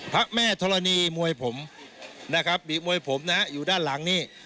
พระแม่ทฤนีมวยผ่มคือมวยผมนะครับอยู่ด้านหลังนี่